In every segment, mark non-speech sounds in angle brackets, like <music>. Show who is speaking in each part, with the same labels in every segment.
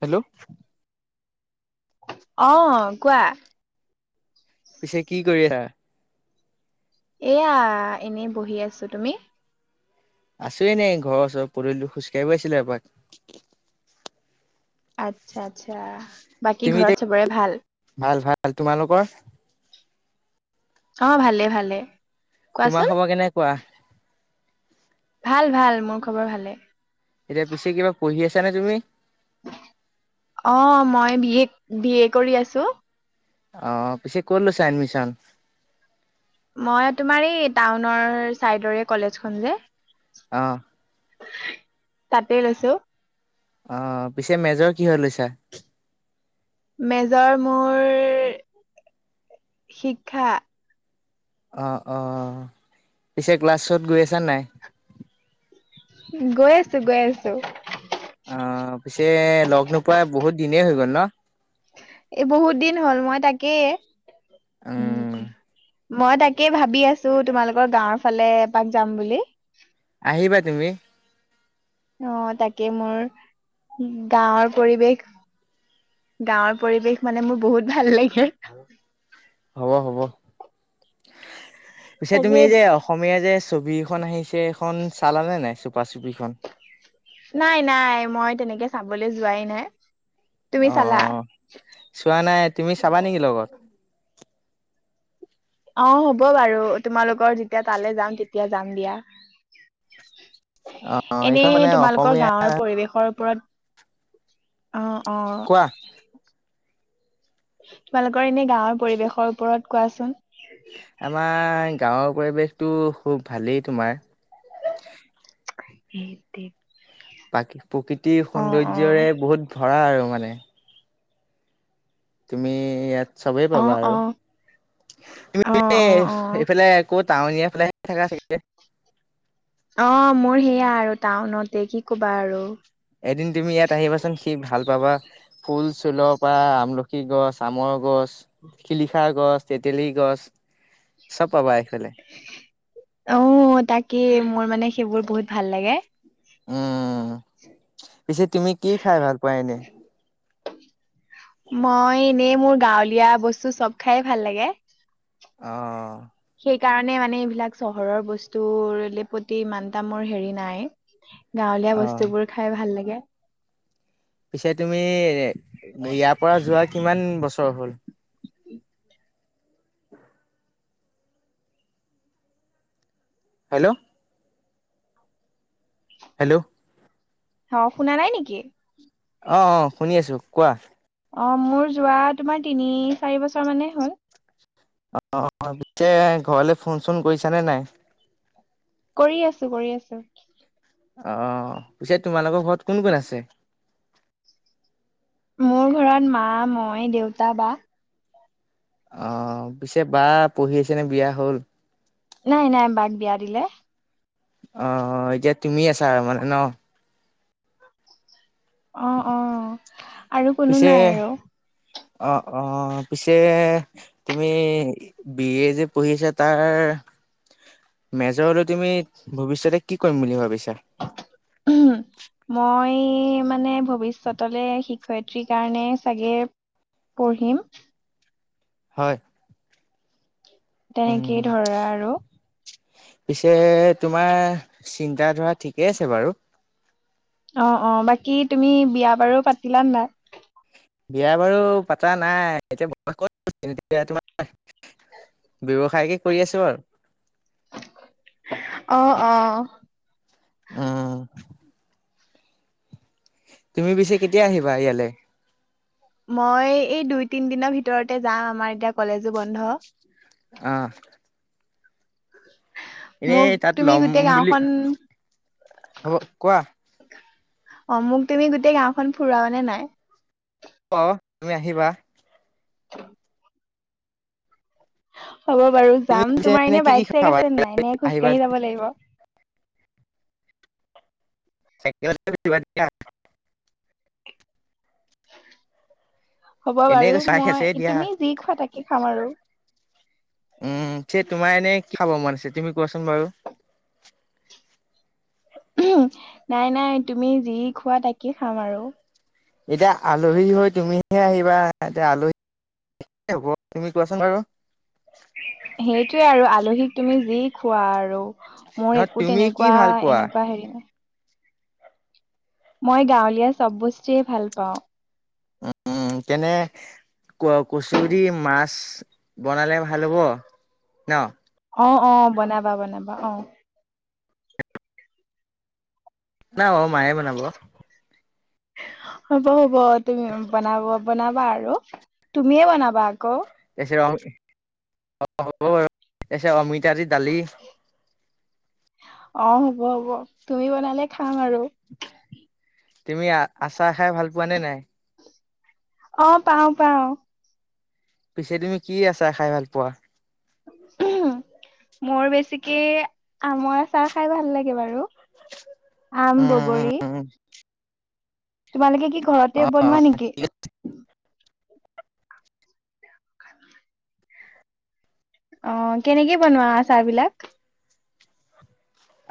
Speaker 1: Hello.
Speaker 2: অ কোৱা।
Speaker 1: পিছে কি কৰি আছা?
Speaker 2: এয়া এনেই বহি আছো তুমি।
Speaker 1: আছো এনেই ঘৰৰ ওচৰ পদূলিটো খোজকাঢ়িব আহিছিলো এপাক।
Speaker 2: আচছা আচছা বাকী
Speaker 1: তুমি এতিয়া
Speaker 2: ঘৰত সবৰে ভাল।
Speaker 1: ভাল ভাল তোমালোকৰ?
Speaker 2: অ ভালে ভালে।
Speaker 1: তোমাৰ
Speaker 2: কোৱাচোন
Speaker 1: খবৰ কেনেকুৱা
Speaker 2: ভাল ভাল মোৰ খবৰ ভালে।
Speaker 1: এতিয়া পিছে কিবা পঢ়ি আছা নে তুমি?
Speaker 2: অ মই বিএ, বি এ কৰি আছো।
Speaker 1: অহ পিছে ক'ত লৈছা এডমিছন।
Speaker 2: মই তোমাৰ এই টাউনৰ চাইডৰে কলেজখন যে
Speaker 1: আহ
Speaker 2: তাতে লৈছো।
Speaker 1: অ পিছে মেজৰ কি হৈ লৈছা।
Speaker 2: মেজৰ মোৰ শিক্ষা।
Speaker 1: অহ অহ পিছে ক্লাছত গৈ আছা নাই?
Speaker 2: গৈ আছো গৈ আছো।
Speaker 1: অ পিছে লগ নোপোৱা বহুত দিনেই হৈ গ'ল ন।
Speaker 2: এ বহুত দিন হ'ল মই তাকেই।
Speaker 1: উম,
Speaker 2: মই তাকেই ভাবি আছো তোমালোকৰ গাঁওৰ ফালে এপাক যাম বুলি।
Speaker 1: আহিবা তুমি।
Speaker 2: অ তাকে মোৰ গাঁৱৰ পৰিৱেশ। গাঁৱৰ পৰিৱেশ মানে মোৰ বহুত ভাল লাগে।
Speaker 1: হ'ব হ'ব পিছে
Speaker 2: তাকে
Speaker 1: তুমি যে অসমীয়া যে ছবি এখন আহিছে এখন চালানে নাই? চ
Speaker 2: নাই নাই মই তেনেকে চাবলৈ যোৱাই নাই। তুমি চালা।
Speaker 1: অ' চোৱা নাই তুমি চাবা নেকি লগত?
Speaker 2: অ হ'ব বাৰু তোমালোকৰ যেতিয়া তালৈ যাম তেতিয়া যাম দিয়া।
Speaker 1: অ
Speaker 2: এনে
Speaker 1: এইখন মানে
Speaker 2: তোমালোকৰ
Speaker 1: অসমীয়া
Speaker 2: গাওঁৰ পৰিৱেশৰ ওপৰত। অ।
Speaker 1: কোৱা।
Speaker 2: তোমালোকৰ এনে গাঁৱৰ পৰিৱেশৰ ওপৰত কোৱাচোন।
Speaker 1: আমাৰ গাওঁ পৰিৱেশটো খুব ভালেই। তোমাৰ?
Speaker 2: সেই তে
Speaker 1: প্ৰাকি প্ৰকৃতিৰ সৌন্দৰ্যৰে
Speaker 2: অ
Speaker 1: বহুত ভৰা আৰু মানে। তুমি ইয়াত। চবেই
Speaker 2: অ
Speaker 1: পাবা
Speaker 2: অ
Speaker 1: আৰু তুমি
Speaker 2: অ অ অ
Speaker 1: এইফালে ক'ত। টাউনীয়ে ফালেহে থাকা চাগে
Speaker 2: অ মোৰ সেয়া আৰু টাউনতে কি কবা আৰু।
Speaker 1: এদিন তুমি ইয়াত আহিবাচোন। সি ভাল যাবা ফুল চুলৰ পৰা আমলখি গছ, আমৰ গছ। শিলিখা গছ, তেতেলী গছ চব পাবা এইফালে।
Speaker 2: অ তাকি মোৰ মানে সেইবোৰ বহুত ভাল লাগে।
Speaker 1: উম পিছে তুমি কি খাই ভাল পোৱা এনেই।
Speaker 2: মই এনেই মোৰ গাঁৱলীয়া বস্তু চব খাই ভাল লাগে।
Speaker 1: অ।
Speaker 2: সেইকাৰণে মানে এইবিলাক চহৰৰ বস্তুৰলে প্ৰতি ইমান তা মোৰ হেৰি নাই। গাঁৱলীয়া
Speaker 1: অ
Speaker 2: বস্তু বোৰ খাই ভাল লাগে।
Speaker 1: পিছে তুমি ইয়াৰ পৰা যোৱা কিমান বছৰ হ'ল। হেল্ল'। হেল্ল'।
Speaker 2: অ শুনা নাই নেকি?
Speaker 1: অ অ শুনি আছো কোৱা।
Speaker 2: অঁ মোৰ যোৱা তোমাৰ তিনি চাৰি বছৰ মানেই হ'ল।
Speaker 1: অ পিছে ঘৰলে ফোন চোন কৰিছানে নাই?
Speaker 2: কৰি আছো কৰি আছো।
Speaker 1: অহ পিছে তোমালোকৰ ঘৰত কোন কোন আছে।
Speaker 2: মোৰ ঘৰত মা, মই, দেউতা, বা।
Speaker 1: অহ, পিছে বা পঢ়ি আছেনে বিয়া হ' ল?
Speaker 2: নাই -নাই বাক বিয়া দিলে।
Speaker 1: অহ, এতিয়া তুমি আছা মানে ন'?
Speaker 2: অহ - অহ আৰু কোনো নাই আৰু।
Speaker 1: অহ - অহ পিছে তুমি বি এ যে পঢ়ি আছা তাৰ
Speaker 2: <inaudible>
Speaker 1: মেজৰলৈ তুমি ভৱিষ্যতে কি কৰিম বুলি ভাবিছা?
Speaker 2: <unintelligible> মই মানে ভৱিষ্যতলে শিক শিক্ষয়িত্ৰী কাৰণে চাগে পঢ়িম।
Speaker 1: হয়। উম,
Speaker 2: তেনেকেই ধৰা আৰু।
Speaker 1: পিছে তোমাৰ চিন্তা- ধৰা ঠিকেই আছে বাৰু।
Speaker 2: অহ - অহ বাকী তুমি বিয়া বাৰু পাতিলা নে নাই?
Speaker 1: বিয়া -বাৰু পাতা নাই এতিয়া <unintelligible> তোমাৰ। ব্যবসায়কে কৰি আছো বাৰু।
Speaker 2: অ', - অ',
Speaker 1: উম তুমি পিছে কেতিয়া আহিবা ইয়ালে?
Speaker 2: মই এই দুই -তিনি দিনৰ ভিতৰতে যাম আমাৰ এতিয়া কলেজো বন্ধ।
Speaker 1: আহ
Speaker 2: মোক
Speaker 1: এ'তাত
Speaker 2: তুমি
Speaker 1: লম
Speaker 2: গোটেই
Speaker 1: বুলি
Speaker 2: গাঁওখন
Speaker 1: <inaudible> হ'ব কোৱা?
Speaker 2: অহ, মোক তুমি গোটেই গাওখন ফুৰাবানে নাই?
Speaker 1: অহ, তুমি আহিবা।
Speaker 2: <inaudible> হ'ব বাৰু
Speaker 1: তুমি
Speaker 2: যাম।
Speaker 1: পিছে
Speaker 2: তোমাৰ এনে
Speaker 1: কি কি
Speaker 2: বাইক- চাইক
Speaker 1: খাবা
Speaker 2: আছে নে নাই, নে
Speaker 1: আহিবা
Speaker 2: খোজকাঢ়ি যাব লাগিব?
Speaker 1: চাইকেলতে উঠিবা দিয়া।
Speaker 2: হ'ব
Speaker 1: এনেই
Speaker 2: বাৰু
Speaker 1: চাহ খাইছে
Speaker 2: মই,
Speaker 1: দিয়া
Speaker 2: তুমি যি খোৱা তাকে খাম আৰু।
Speaker 1: উম, থে তোমাৰ এনে কি খাব মন আছে তুমি কোৱাচোন বাৰু?
Speaker 2: উহো, নাই -নাই তুমি যি খোৱা তাকে খাম আৰু।
Speaker 1: এতিয়া আলহী হৈ তুমিহে আহিবা এতিয়া আলহী এ' হ'ব তুমি কোৱাচোন বাৰু?
Speaker 2: সেইটোৱে আৰু আলহীক তুমি যি খোৱা আৰু মোৰ
Speaker 1: নহয়
Speaker 2: একো
Speaker 1: তুমি কি ভাল
Speaker 2: তেনেকুৱা-
Speaker 1: পোৱা
Speaker 2: এনেকুৱা হেৰি নাই। মই গাঁৱলীয়া চব বস্তুৱে ভাল পাওঁ।
Speaker 1: উম, তেনে ক -কচুই দি মাছ বনালে ভাল হ'ব। ন'?
Speaker 2: অহ - অহ বনাবা -বনাবা অ',।
Speaker 1: নাই অহ মায়ে বনাব।
Speaker 2: হ'ব- হ'ব তুমি বনাব বনাবা আৰু তুমিয়ে বনাবা আকৌ।
Speaker 1: <unintelligible> অমিতা দি দালি।
Speaker 2: অহ, হ'ব -হ'ব তুমি বনালে খাম আৰু।
Speaker 1: তুমি আ -আচাৰ খাই ভাল পোৱা নে নাই?
Speaker 2: অহ, পাওঁ -পাওঁ।
Speaker 1: পিছে তুমি কি আচা খাই ভাল পোৱা?
Speaker 2: মোৰ বেছিকে আমৰ আচাৰ খাই ভাল লাগে বাৰু। আম, বগৰী
Speaker 1: উম
Speaker 2: তোমালোকে কি
Speaker 1: অ
Speaker 2: ঘৰতে বনোৱা নেকি? খাই বোলে অ কেনেকে বনোৱা চাহ বিলাক?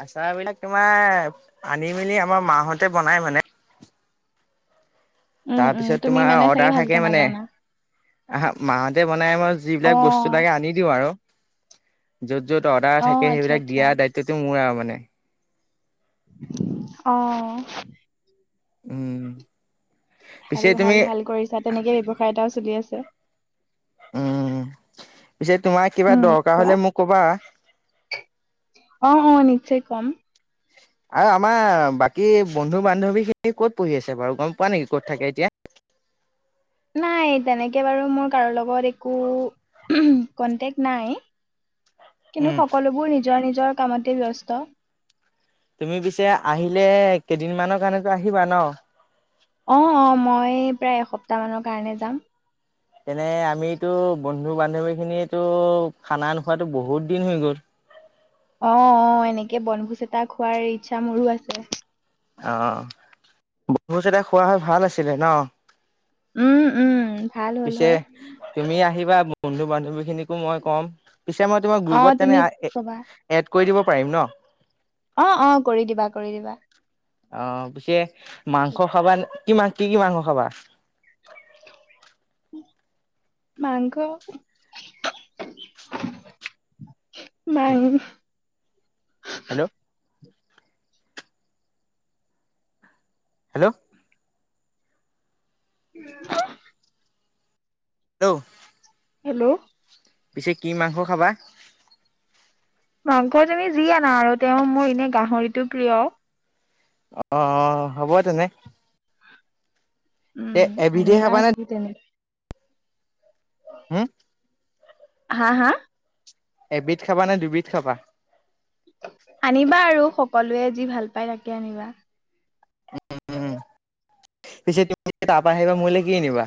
Speaker 1: আচাৰ বিলাক তোমাৰ আনি মেলি আমাৰ মাহতে বনাই মানে।
Speaker 2: উম উম
Speaker 1: তাৰপিছত
Speaker 2: তুমি
Speaker 1: তোমাৰ
Speaker 2: মানে চাগে
Speaker 1: অৰ্ডাৰ থাকে
Speaker 2: ভালকে
Speaker 1: মানে
Speaker 2: নাজানা
Speaker 1: আহা মাহ নাই মই য
Speaker 2: অ
Speaker 1: বিলাক বস্তু লাগে আনি দিওঁ আৰু য'ত, য'ত অৰ্ডাৰ
Speaker 2: অ
Speaker 1: থাকে
Speaker 2: আচ্ছা
Speaker 1: সেইবিলাক
Speaker 2: আচ্ছা
Speaker 1: দিয়া দায়িত্বটো মোৰ আও মানে।
Speaker 2: আহ
Speaker 1: উম
Speaker 2: ভাল
Speaker 1: পিছে
Speaker 2: ভাল
Speaker 1: তুমি
Speaker 2: ভাল কৰিছা তেনেকে ব্যৱসায় এটাও চলি আছে।
Speaker 1: উম, পিছে তোমাৰ কিবা
Speaker 2: উম
Speaker 1: দৰকাৰ হ'লে মোক কবা।
Speaker 2: অঁ, অঁ নিশ্চয় কম।
Speaker 1: আৰু আমাৰ বাকি বন্ধু- বান্ধৱী খিনি ক'ত পঢ়ি আছে বাৰু গম পোৱা নেকি ক'ত থাকে এতিয়া?
Speaker 2: নাই তেনেকে বাৰু মোৰ কাৰো লগত একো কন্টেক্ট নাই? কিন্তু,
Speaker 1: উম।
Speaker 2: সকলোবোৰ নিজৰ নিজৰ কামতেই ব্যস্ত।
Speaker 1: তুমি পিছে আহিলে কেইদিনমানৰ কাৰণেটো আহিবা ন'?
Speaker 2: অ অ মই প্ৰায় এসপ্তাহ মানৰ কাৰণে যাম।
Speaker 1: তেনে, আমিটো বন্ধু -বান্ধৱী খিনিয়েটো খানা নোখোৱাটো বহুত দিন হৈ গ'ল।
Speaker 2: অঁ, অঁ এনেকে বনভোজ এটা খোৱাৰ ইচ্ছা মোৰো আছে।
Speaker 1: অঁ, ভোজ এটা খোৱা হ'য় ভাল আছিলে ন'?
Speaker 2: উম উম ভাল হ'ল
Speaker 1: পিছে
Speaker 2: হয়
Speaker 1: তুমি আহিবা বন্ধু বান্ধৱী খিনিকো মই কম। পিছে মই তোমাক
Speaker 2: অ
Speaker 1: গ্ৰুপত তেনে
Speaker 2: তুমি
Speaker 1: এ
Speaker 2: কবা
Speaker 1: এড কৰি দিব পাৰিম ন'?
Speaker 2: অঁ অঁ কৰি দিবা, কৰি দিবা।
Speaker 1: অঁ, পিছে মাংস খাবা নে, কি মাং, কি কি মাংস খাবা?
Speaker 2: মাংস নাই
Speaker 1: হেল্ল'! Hello
Speaker 2: <inaudible>
Speaker 1: hello!
Speaker 2: হেল্ল'!
Speaker 1: পিছে কি মাংস খাবা?
Speaker 2: মাংস তুমি যি আনা আৰু তেওঁ মোৰ এনে গাহৰিটো প্ৰিয়।
Speaker 1: অ হ'ব তেনে
Speaker 2: উম,
Speaker 1: এ
Speaker 2: আঁ
Speaker 1: এবিধে খাবা নে
Speaker 2: নিবাহি তেনে।
Speaker 1: হম।
Speaker 2: হাঁ, হাঁ
Speaker 1: এবিধ খাবা নে দুবিধ খাবা?
Speaker 2: আনিবা আৰু সকলোৱে যি ভাল পায় তাকে আনিবা।
Speaker 1: উম পিছে তুমি তাৰপৰা আহিবা মোৰে কি আনিবা?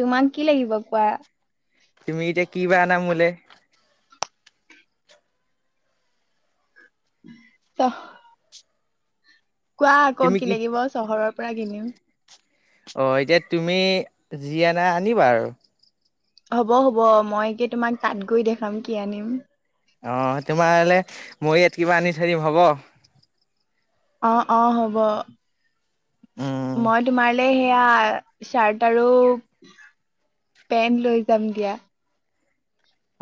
Speaker 2: তোমাক কি লাগিব কোৱা?
Speaker 1: তুমি এতিয়া কি বা আনা মোলে?
Speaker 2: চ। কোৱা আকৌ কি লাগিব? চহৰৰ পৰা কিনিম।
Speaker 1: অ এতিয়া তুমি যি অনা আনিবা আৰু।
Speaker 2: হ'ব, হ'ব মই কি তোমাক তাত গৈ দেখাম কি আনিম।
Speaker 1: অঁ, তোমাৰলে মই ইয়াত কিবা আনি থৈ দিম হ'ব?
Speaker 2: অ অ হব
Speaker 1: উম
Speaker 2: মই তোমাৰলে সে এয়া চাৰ্ট আৰু পেন্ট লৈ যাম দিয়া।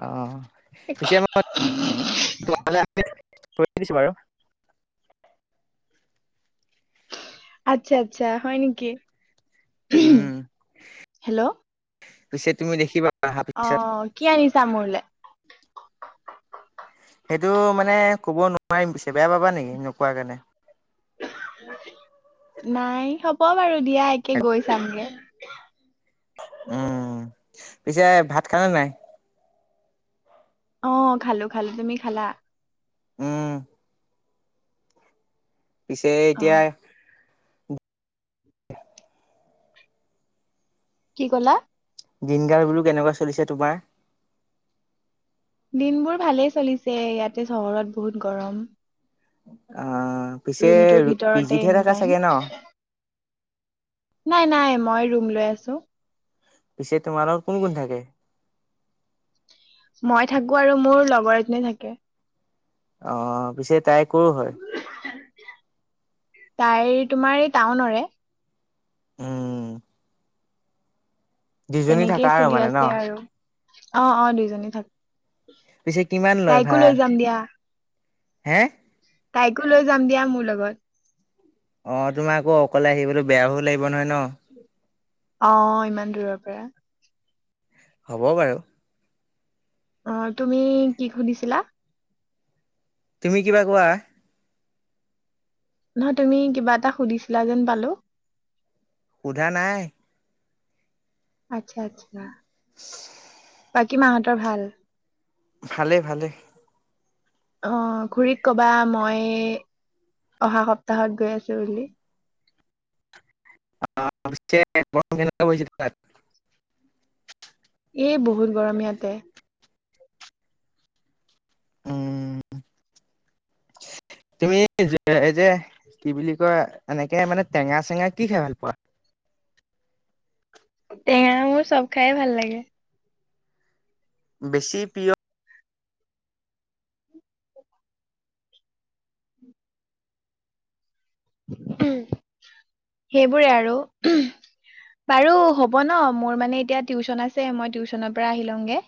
Speaker 1: আঁ - পিছেবাৰত তোমালে আনি দিম। <unintelligible> কৰি দিছো বাৰু
Speaker 2: আচ্ছা, আচ্ছা হ'য় নেকি?
Speaker 1: উম
Speaker 2: হেল্লো'।
Speaker 1: পিছে তুমি দেখিবা। অহাৰ পিছত
Speaker 2: অঁ, কি আনিছা মোৰলে?
Speaker 1: সেইটো মানে কব নোৱাৰিম পিছে বেয়া পাবা নেকি নোকোৱাৰ কাৰণে।
Speaker 2: নাই হব বাৰু দিয়া একে গৈ চামগে।
Speaker 1: উম, পিছে ভাত খালা নাই?
Speaker 2: অঁ খালো খালো তুমি খালা?
Speaker 1: অঁ পিছে
Speaker 2: অ'।
Speaker 1: এতিয়াই
Speaker 2: কি ক'লা?
Speaker 1: দিনকাল বোলো কেনেকুৱা চলিছে তোমাৰ?
Speaker 2: দিনবোৰ ভালেই চলিছে, ইয়াতে চহৰত বহুত গৰম।
Speaker 1: আহ পিছে
Speaker 2: ৰুমটোৰ ভিতৰতে
Speaker 1: পিজিতহে
Speaker 2: এনি
Speaker 1: থকা
Speaker 2: টাইম।
Speaker 1: চাগে ন?
Speaker 2: নাই নাই মই ৰুম লৈ আছো।
Speaker 1: পিছে তোমাৰ লগত কোন কোন থাকে?
Speaker 2: মই থাকো আৰু মোৰ লগৰ এজনী থাকে।
Speaker 1: অহ পিছে তাই কৰ হয়।
Speaker 2: তাই তোমাৰ এই টাউনৰে।
Speaker 1: অঁ -
Speaker 2: তেনেকেই
Speaker 1: আৰু
Speaker 2: চলি
Speaker 1: মানে ন?
Speaker 2: আছে আৰু। অঁ, অঁ দুইজনী থাক্‌।
Speaker 1: পিছে কিমান লয়
Speaker 2: তাইকো
Speaker 1: ভাড়া?
Speaker 2: লৈ যাম দিয়া।
Speaker 1: হে
Speaker 2: তাইকো লৈ যাম দিয়া মোৰ লগত।
Speaker 1: অ তোমাৰ আকৌ অকলে আহিবলৈ বেয়াও লাগিব নহয় ন?
Speaker 2: অ ইমান দূৰৰ পৰা
Speaker 1: হ'ব বাৰু
Speaker 2: অঁ, তুমি কি সুধিছিলা?
Speaker 1: তুমি কিবা কোৱা?
Speaker 2: নহয় তুমি কিবা এটা সুধিছিলা যেন পালো।
Speaker 1: সোধা নাই।
Speaker 2: আচ্ছা, আচ্ছা।
Speaker 1: <inaudible>
Speaker 2: বাকী মাহঁতৰ ভাল?
Speaker 1: ভালে, ভালে।
Speaker 2: আহ খুৰীক কবা মই অহা সপ্তাহত গৈ আছো বুলি।
Speaker 1: <inaudible>
Speaker 2: এই বহুত গৰম ইয়াতে।
Speaker 1: উম,
Speaker 2: <inaudible>
Speaker 1: তুমি এই যে কি বুলি কয় এনেকে মানে টেঙা চেঙা কি খাই ভাল পোৱা?
Speaker 2: <inaudible> টেঙা মোৰ চব খাই ভাল লাগে।
Speaker 1: বেছি পিয়
Speaker 2: সেইবোৰে আৰু বাৰু হ'ব ন মোৰ মানে এতিয়া টিউচন আছে মই টিউচনৰ পৰা আহি লওঁগে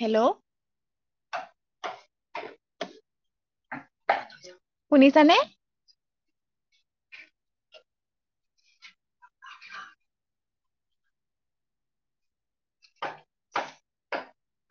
Speaker 2: হেল্ল' শুনিছানে? অ <inaudible> <unintelligible>